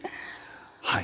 はい。